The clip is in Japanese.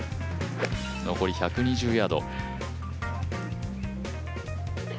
残り１２０ヤード。